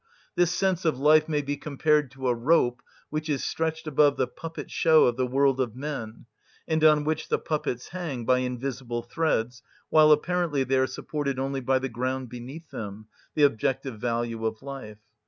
This sense of life may be compared to a rope which is stretched above the puppet‐show of the world of men, and on which the puppets hang by invisible threads, while apparently they are supported only by the ground beneath them (the objective value of life).